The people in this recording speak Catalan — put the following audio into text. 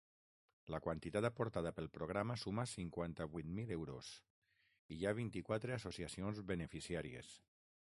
La quantitat aportada pel programa suma cinquanta-vuit mil euros i hi ha vint-i-quatre associacions beneficiàries.